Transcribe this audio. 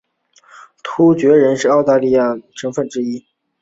突厥人是欧亚大陆民族的主要成份之一。